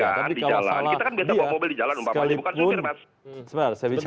saya bawa mobil di jalan kita kan biasa bawa mobil di jalan